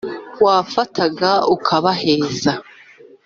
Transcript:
wabafata ukabaheza